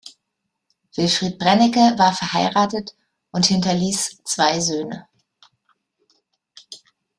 Wilfried Brennecke war verheiratet und hinterließ zwei Söhne.